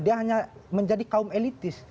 dia hanya menjadi kaum elitis